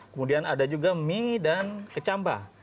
kemudian ada juga mie dan kecamba